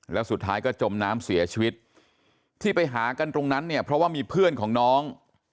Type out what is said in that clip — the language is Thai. แล้วสุดท้ายก็จมน้ำเสียชีวิตที่ไปหากันตรงนั้นเนี่ยเพราะว่ามีเพื่อนของน้อง